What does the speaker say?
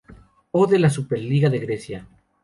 O. de la Super Liga de Grecia.